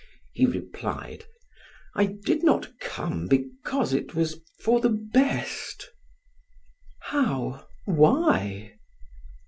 He replied: "I did not come because it was for the best " "How? Why?"